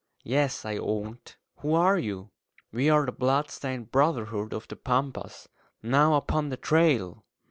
"Yes," I owned. "Who are you?" "We are the Blood stained Brotherhood of the Pampas, now upon the trail!"